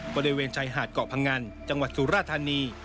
บริเวณชายหาดเกาะพงันจังหวัดสุราธานี